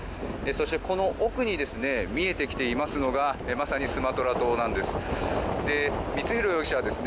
そしてこの奥に見えてきていますのがまさにスマトラ島なんです。